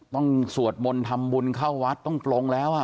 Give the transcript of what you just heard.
สวดมนต์ทำบุญเข้าวัดต้องปลงแล้ว